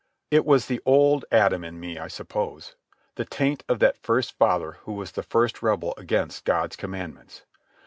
It was the old Adam in me, I suppose—the taint of that first father who was the first rebel against God's commandments.